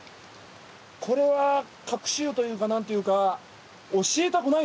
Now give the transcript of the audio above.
これは隠し湯というか何というか教えたくないですね